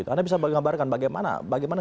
anda bisa mengabarkan bagaimana